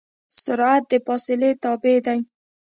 سرعت د فاصلې تابع دی.